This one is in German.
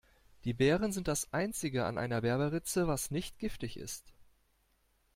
Die Beeren sind das einzige an einer Berberitze, was nicht giftig ist.